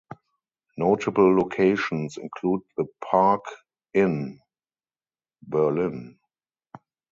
Notable locations include the Park Inn Berlin.